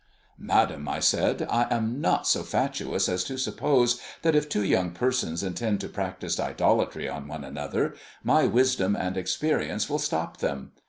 "Madam," I said, "I am not so fatuous as to suppose that if two young persons intend to practise idolatry on one another, my wisdom and experience will stop them.